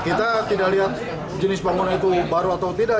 kita tidak lihat jenis bangunan itu baru atau tidak